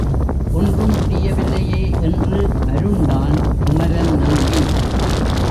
ஒன்றும் புரியவில்லையே? என்று மருண்டான் குமரன் நம்பி.